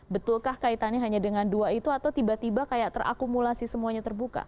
betulkah kaitannya hanya dengan dua itu atau tiba tiba kayak terakumulasi semuanya terbuka